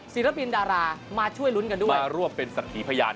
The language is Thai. ศิลปินดารามาช่วยรุนการร่วมเป็นสัตว์ผีพญาน